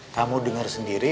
kamu denger sendiri